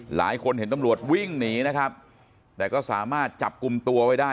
หลายคนเห็นตำรวจวิ่งหนีนะครับแต่ก็สามารถจับกลุ่มตัวไว้ได้